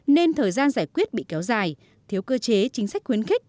nên thời gian giải quyết bị kéo dài thiếu cơ chế chính sách khuyến khích